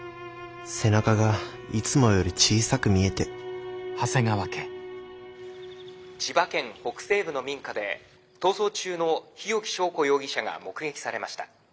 背中がいつもより小さく見えて「千葉県北西部の民家で逃走中の日置昭子容疑者が目撃されました。